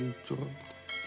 telah hancur di mataku